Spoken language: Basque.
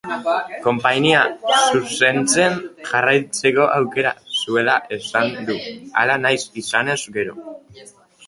Konpainia zuzentzen jarraitzeko aukera zuela esan du, hala nahi izanez gero.